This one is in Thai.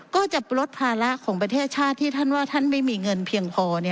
ก็จะลดภาระของประเทศชาติที่ท่านว่าท่านไม่มีเงินเพียงพอ